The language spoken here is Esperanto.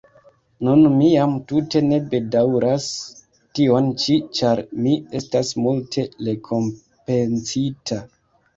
Nun mi jam tute ne bedaŭras tion ĉi, ĉar mi estas multe rekompencita!